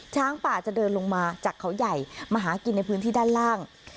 ช้างป่าจะเดินลงมาจากเขาใหญ่มาหากินในพื้นที่ด้านล่าง